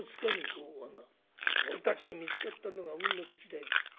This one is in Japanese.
俺たちに見つかったのが運の尽きだよ。